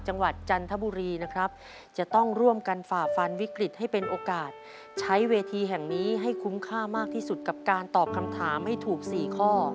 จังหวัดจันทบุรีนะครับจะต้องร่วมกันฝ่าฟันวิกฤตให้เป็นโอกาสใช้เวทีแห่งนี้ให้คุ้มค่ามากที่สุดกับการตอบคำถามให้ถูก๔ข้อ